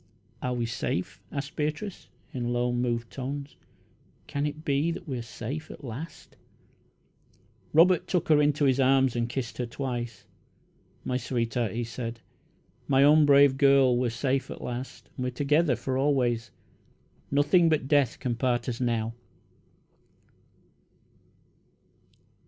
"Are we safe?" asked Beatrice, in low, moved tones. "Can it be that we are safe at last?" Robert took her into his arms and kissed her twice. "My sweetheart," he said, "my own brave girl, we are safe at last, and we are together for always. Nothing but death can part us now!"